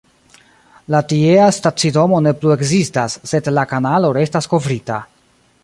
La tiea stacidomo ne plu ekzistas, sed la kanalo restas kovrita.